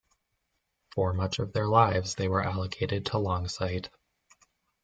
For much of their lives they were allocated to Longsight.